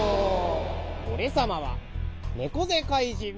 おれさまはねこぜかいじん